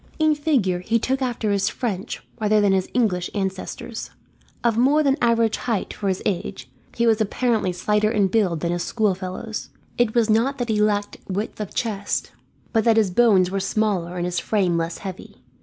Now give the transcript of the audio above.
In figure, he took after his French rather than his English ancestors. Of more than average height for his age, he was apparently slighter in build than his schoolfellows. It was not that he lacked width of chest, but that his bones were smaller and his frame less heavy.